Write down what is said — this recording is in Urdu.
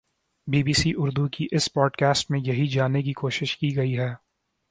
بی بی سی اردو کی اس پوڈ کاسٹ میں یہی جاننے کی کوشش کی گئی ہے